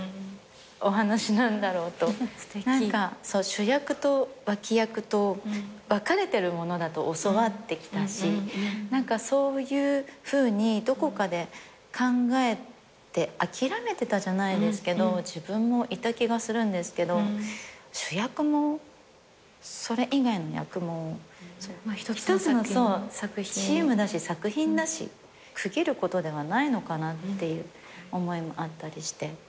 主役と脇役と分かれてるものだと教わってきたしそういうふうにどこかで考えて諦めてたじゃないですけど自分もいた気がするんですけど主役もそれ以外の役も一つのチームだし作品だし区切ることではないのかなって思いもあったりして。